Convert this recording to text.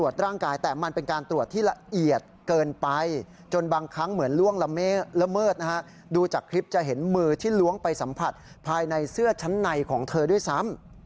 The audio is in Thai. ชั้นในของเธอด้วยซ้ำ